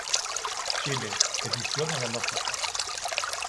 Chile, edición analógica.